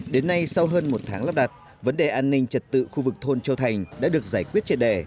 đến nay sau hơn một tháng lắp đặt vấn đề an ninh trật tự khu vực thôn châu thành đã được giải quyết trật đề